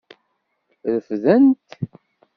Refden-t.